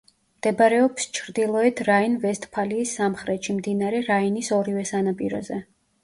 მდებარეობს ჩრდილოეთ რაინ-ვესტფალიის სამხრეთში, მდინარე რაინის ორივე სანაპიროზე.